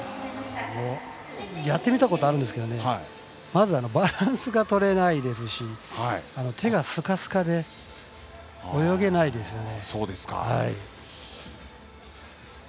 やってみたことはあるんですけどまずバランスがとれないですし手がすかすかで泳げないですよね。